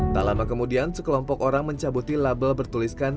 tak lama kemudian sekelompok orang mencabuti label bertuliskan